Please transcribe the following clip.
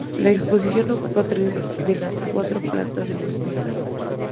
La exposición ocupa tres de las cuatro plantas del edificio.